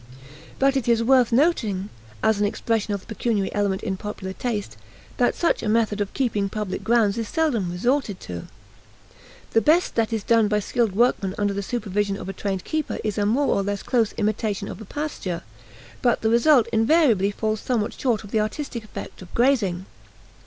But it is worth noting, as an expression of the pecuniary element in popular taste, that such a method of keeping public grounds is seldom resorted to. The best that is done by skilled workmen under the supervision of a trained keeper is a more or less close imitation of a pasture, but the result invariably falls somewhat short of the artistic effect of grazing.